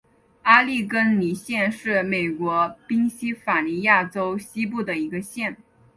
阿利根尼县是美国宾夕法尼亚州西部的一个县。